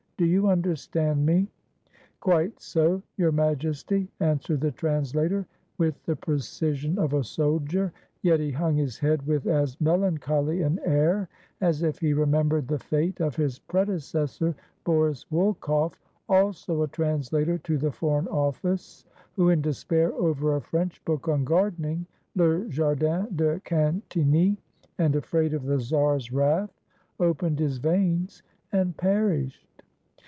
Do you understand me?" "Quite so. Your Majesty," answered the translator, with the precision of a soldier; yet he hung his head with as melancholy an air as if he remembered the fate of his predecessor, Boris Wolkoff, also a translator to the Foreign Office, who in despair over a French book on gardening, "Le Jardin de Quintiny," and afraid of the czar's wrath, opened his veins, and perished.